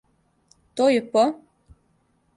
То је по?